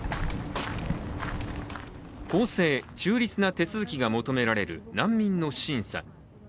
公正、中立な手続きが求められる難民の審査。